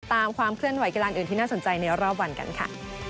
ความเคลื่อนไหกีฬาอื่นที่น่าสนใจในรอบวันกันค่ะ